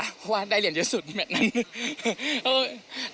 เพราะว่าได้เหรียญเยอะสุดแมทนั้น